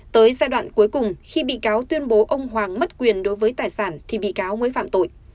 tới giai đoạn cuối cùng khi bị cáo tuyên bố ông hoàng mất quyền đối với tài sản thì bị cáo mới phạm tội